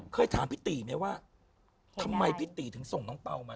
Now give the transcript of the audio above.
เคยถามพี่ตีไหมว่าทำไมพี่ตีถึงส่งน้องเปล่ามา